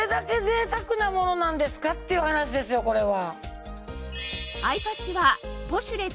なものなんですかっていう話ですよこれは。